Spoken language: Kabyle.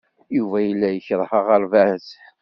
Yuba yella yekṛeh aɣerbaz.